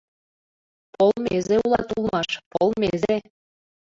Полмезе улат улмаш, полмезе!